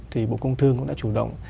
thì bộ công thương cũng đã chủ động